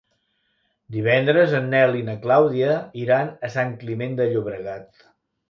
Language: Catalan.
Divendres en Nel i na Clàudia iran a Sant Climent de Llobregat.